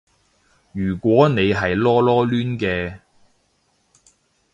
如果你係囉囉攣嘅